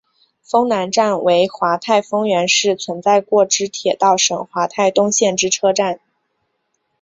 丰南站为桦太丰原市存在过之铁道省桦太东线之车站。